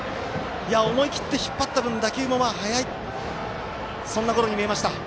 思い切って引っ張った分打球も速いそんなゴロに見えました。